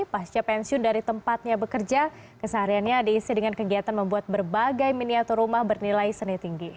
pasca pensiun dari tempatnya bekerja kesehariannya diisi dengan kegiatan membuat berbagai miniatur rumah bernilai seni tinggi